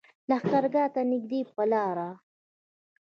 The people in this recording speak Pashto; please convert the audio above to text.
لښکرګاه ته نږدې پر لاره.